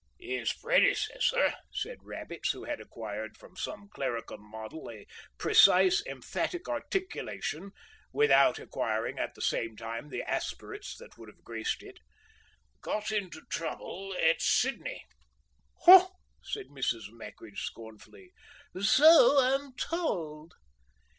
"'Is predecessor," said Rabbits, who had acquired from some clerical model a precise emphatic articulation without acquiring at the same time the aspirates that would have graced it, "got into trouble at Sydney." "Haw!" said Mrs. Mackridge, scornfully, "so am tawled."